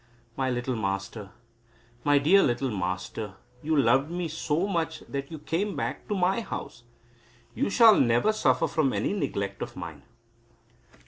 my little Master, my dear little Master, you loved me so much that you came back to my house. You shall never suffer from any neglect of mine."